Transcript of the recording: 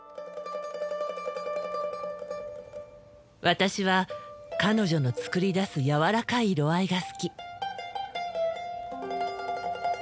私は彼女の作り出す柔らかい色合いが好き。